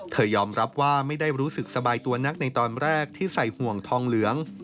ยอมรับว่าไม่ได้รู้สึกสบายตัวนักในตอนแรกที่ใส่ห่วงทองเหลือง